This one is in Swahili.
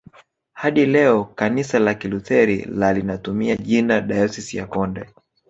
Hadi leo kanisa la Kilutheri la linatumia jina dayosisi ya Konde